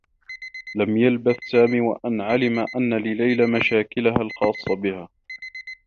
لم يلبث سامي و أن علم أنّ لليلى مشاكلها الخاصّة بها.